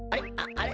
あれ？